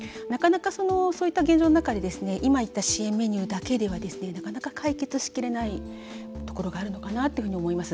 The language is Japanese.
そういった現状の中で今言った支援メニューだけではなかなか解決しきれないところがあるのかなと思います。